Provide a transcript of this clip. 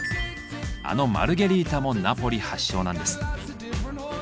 あのマルゲリータもナポリ発祥なんです。